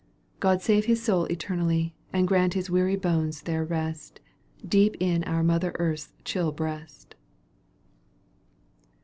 God save his soul eternally And grant his weary bones their rest Deep in our mother Earth's chill breast